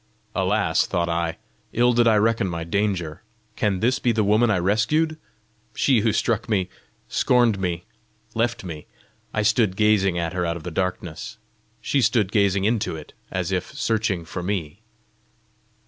"Alas," thought I, "ill did I reckon my danger! Can this be the woman I rescued she who struck me, scorned me, left me?" I stood gazing at her out of the darkness; she stood gazing into it, as if searching for me.